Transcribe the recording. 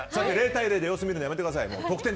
０対０で様子見るのやめてください。